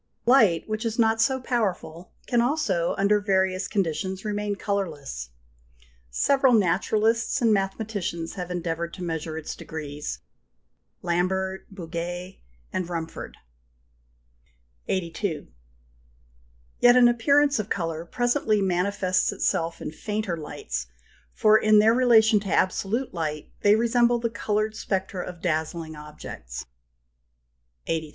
Light, which is not so powerful, can also, under various conditions, remain colourless. Several naturalists and mathematicians have endeavoured to measure its degrees Lambert, Bouguer, Rumford. 82. Yet an appearance of colour presently manifests itself in fainter lights, for in their relation to absolute light they resemble the coloured spectra of dazzling objects (39). 83.